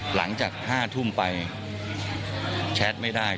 หลังจาก๕ทุ่มไปแชทไม่ได้